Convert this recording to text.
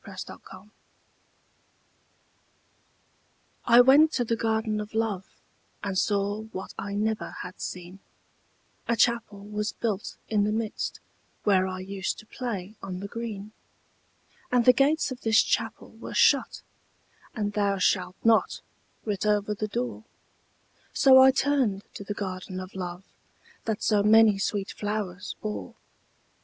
THE GARDEN OF LOVE I went to the Garden of Love, And saw what I never had seen; A Chapel was built in the midst, Where I used to play on the green. And the gates of this Chapel were shut, And 'Thou shalt not' writ over the door; So I turned to the Garden of Love That so many sweet flowers bore.